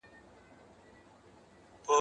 ماشومان د والدینو له کړنو زده کړه کوي.